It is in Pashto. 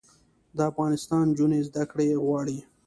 د افغانستان نجونې زده کړې غواړي